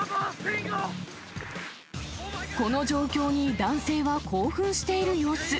この状況に男性が興奮している様子。